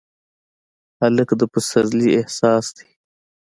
هلک د پسرلي احساس دی.